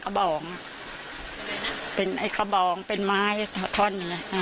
เขาบอกเป็นกระบองเป็นไม้ทอน